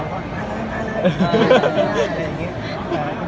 มีโครงการทุกทีใช่ไหม